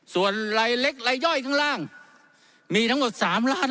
ส่วนลายเล็กลายย่อยข้างล่างมีทั้งหมด๓ล้าน